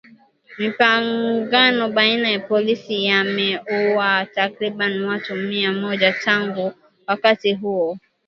Mapigano baina ya polisi yameuwa takriban watu mia mmoja tangu wakati huo